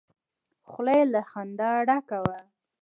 خوله يې له خندا ډکه وه.